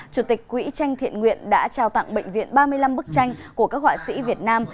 chủ tịch quỹ tranh thiện nguyện đã trao tặng bệnh viện ba mươi năm bức tranh của các họa sĩ việt nam